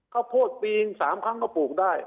ข้าวโพดปีน๓ครั้งก็ปลูกได้